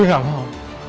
gue gak mau